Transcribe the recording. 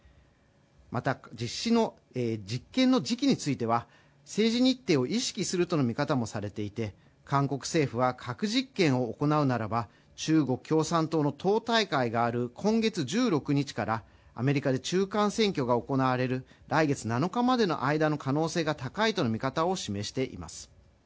また、実験の時期については、政治日程を意識するとの見方もされていて、韓国政府は、核実験を行うならば中国共産党の党大会がある今月１６日から、アメリカで中間選挙が行われる来月７日までの間の可能性が高いとの見方を示しています。